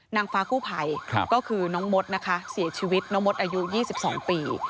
นางฟ้ากู้ภัยก็คือน้องมดนะคะเสียชีวิตน้องมดอายุ๒๒ปี